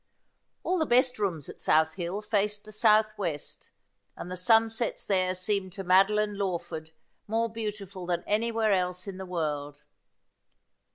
All the best rooms at South Hill faced the south west, and the sunsets there seemed to Madoline Lawford more beautiful than anywhere else in the world.